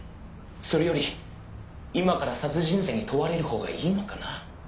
「それより今から殺人罪に問われるほうがいいのかな？」